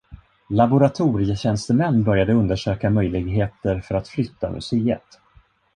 Laboratorietjänstemän började undersöka möjligheter för att flytta museet.